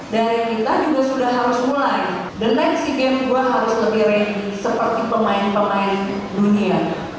dengan sea games kita harus lebih renggi seperti pemain pemain dunia